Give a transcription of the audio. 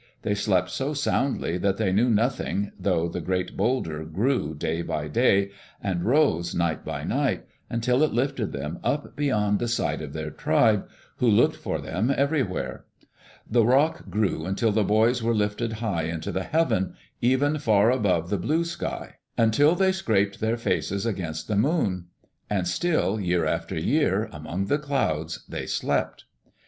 They slept so soundly that they knew nothing, though the great boulder grew day by day, and rose night by night, until it lifted them up beyond the sight of their tribe, who looked for them everywhere. The rock grew until the boys were lifted high into the heaven, even far up above the blue sky, until they scraped their faces against the moon. And still, year after year, among the clouds they slept.